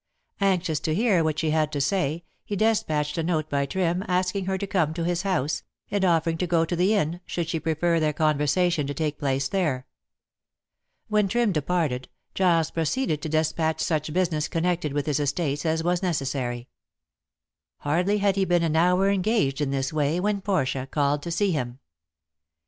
Anxious to hear what she had to say, he despatched a note by Trim asking her to come to his house, and offering to go to the inn, should she prefer their conversation to take place there. When Trim departed, Giles proceeded to despatch such business connected with his estates as was necessary. Hardly had he been an hour engaged in this way when Portia called to see him.